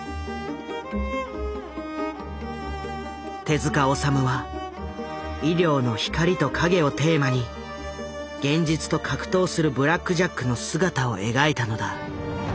手治虫は医療の光と影をテーマに現実と格闘するブラック・ジャックの姿を描いたのだ。